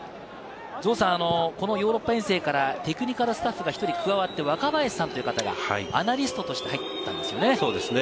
城さん、ヨーロッパ遠征からテクニカルスタッフが１人加わって、若林さんという方がアナリストとして入ったんですよね。